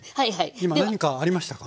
今何かありましたか？